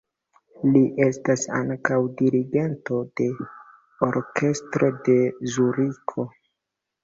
Li estas ankaŭ dirigento de orkestro de Zuriko.